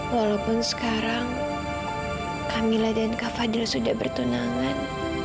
walaupun sekarang camilla dan kak fadil sudah bertunangan